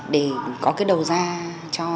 để có cái đầu ra cho